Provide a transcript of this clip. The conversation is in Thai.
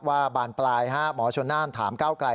ว่าบานปลายหมอชนนั่นถามก้าวกลาย